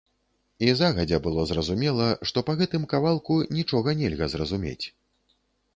І загадзя было зразумела, што па гэтым кавалку нічога нельга зразумець.